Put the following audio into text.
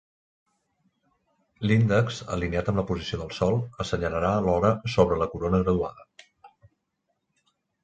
L'índex, alineat amb la posició del Sol, assenyalarà l'hora sobre la corona graduada.